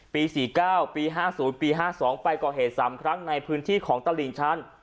ปี๔๙ปี๕๐ปี๕๒ไปก่อเหตุ๓ครั้งในพื้นที่ของตลิ่งชั้น